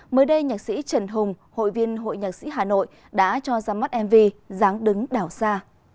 mới đây nhạc sĩ trần hùng hội viên hội nhạc sĩ hà nội đã cho ra mắt mv giáng đứng đảo xa